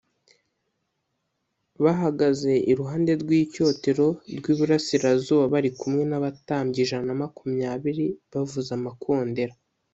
bahagaze iruhande rw’icyotero rw’iburasirazuba bari kumwe n’abatambyi ijana na makumyabiri bavuza amakondera.